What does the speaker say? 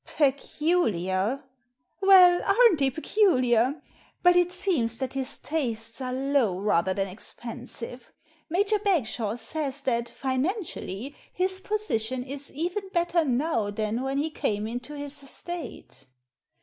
"Peculiar!" " Well, aren't they peculiar? But it seems that his Digitized by VjOOQIC THE DUKE 309 tastes are low rather than expensive. Major Bag shawe says that, financially, his position is even better now than when he came into his estate."